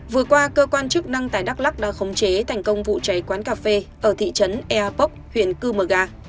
vừa qua cơ quan chức năng tại đắk lắc đã khống chế thành công vụ cháy quán cà phê ở thị trấn eapok huyện cư mờ ga